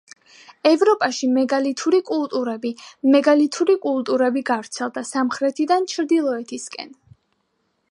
ევროპაში მეგალითური კულტურები მეგალითური კულტურები გავრცელდა სამხრეთიდან ჩრდილოეთისკენ.